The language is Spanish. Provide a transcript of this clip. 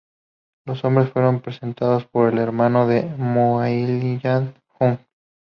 Los hombres fueron presentados por el hermano de Mulligan, Hugh.